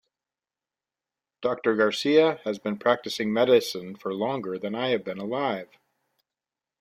Doctor Garcia has been practicing medicine for longer than I have been alive.